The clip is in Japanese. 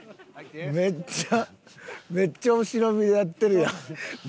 めっちゃめっちゃお忍びでやってるやん。